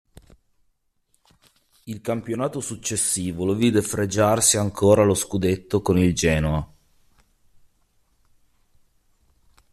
Il campionato successivo lo vide fregiarsi ancora lo scudetto con il Genoa.